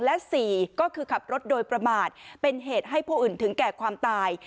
และ๔ก็คือขับรถโดยประมาทเป็นเหตุให้ผู้อื่นถึงแก่ความตาย